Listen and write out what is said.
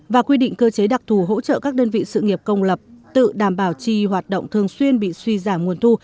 và quy định cơ chế đặc thù hỗ trợ các đơn vị sự nghiệp công lập tự đảm bảo tri hoạt động thường xuyên bị suy giảm nguồn thu